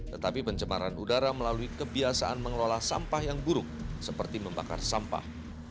tetapi pencemaran udara melalui kebiasaan mengelola sampah yang buruk seperti membakar sampah